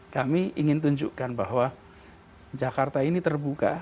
kami ingin tunjukkan bahwa jakarta ini terbuka